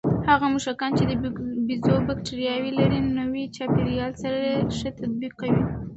هغه موږکان چې د بیزو بکتریاوې لري، نوي چاپېریال سره ښه تطابق کوي.